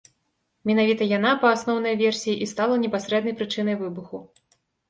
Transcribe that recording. Менавіта яна, па асноўнай версіі, і стала непасрэднай прычынай выбуху.